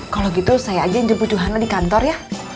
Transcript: kalau gitu saya aja yang jemput johannel di kantor ya